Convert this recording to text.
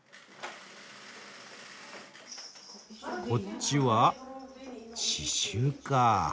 こっちは刺しゅうかあ。